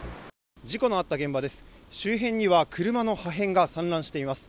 事故のあった現場です。